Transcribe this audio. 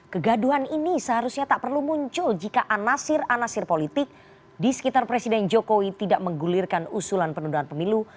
kegaduhan ini seharusnya tak perlu muncul jika anasir anasir politik di sekitar presiden jokowi tidak menggulirkan usulan penundaan pemilu